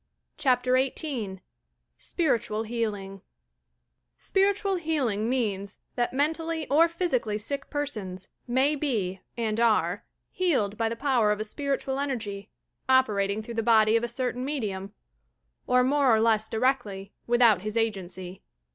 CHAPTER XVIII SPIRITUAL HEALINQ Spiritual Healing means that mentally or physically sick persons may be, and are, healed by the power of a spiritual energy, operating through the body of a certain medmra, or more or less directly, without his agency.